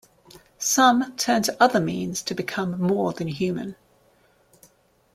Some turn to other means to become "more" than human.